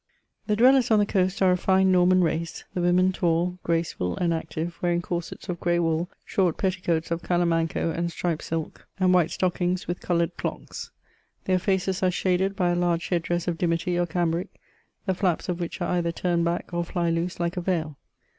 The dwellers on the coast are a fine Norman race ; the women tall, graceful, and active, wearing corsets of gray wool, short petticoats of calamanco and striped silk, and white < CHATEAUBRLA.ND. 201 stocking^ with coloured clocks. Their faces are shaded hy a large head dress of dimity or cambric, the flaps of which are either turned back or fly loose like a veil.